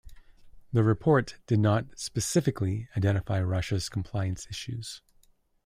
The report did not specifically identify Russia's compliance issues.